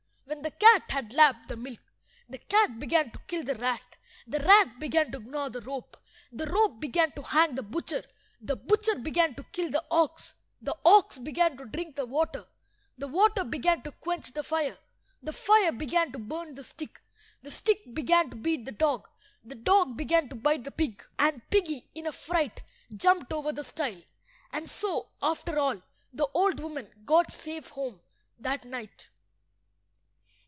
When the cat had lapped the milk, the cat began to kill the rat, the rat began to gnaw the rope, the rope began to hang the butcher, the butcher began to kill the ox, the ox began to drink the water, the water began to quench the fire, the fire began to burn the stick, the stick began to beat the dog, the dog began to bite the pig, and piggy, in a fright, jumped over the stile, and so, after all, the old woman got safe home that night.